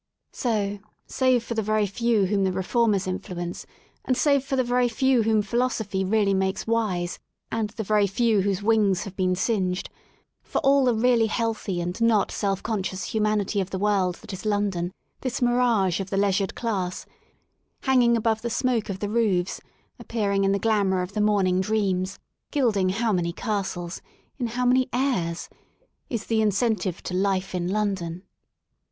• So, save for the very few whom the reformers in fluence, and save for the very few whom philosophy really makes wise, and the very few whose wings have been singed — for all the really healthy and not self conscious humanity of the world that is London, this mirage of the Leisured Class, hanging above the smoke i of the roofs, appearing in the glamour of the morning dreams, gilding how many castles, in how many airs, I is the incentive to life in London.